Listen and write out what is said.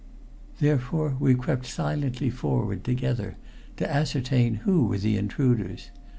Therefore we crept silently forward together to ascertain who were the intruders.